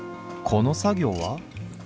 この作業は？